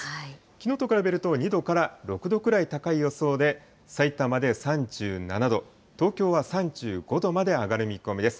きのうと比べると２度から６度くらい高い予想で、さいたまで３７度、東京は３５度まで上がる見込みです。